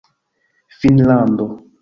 finnlando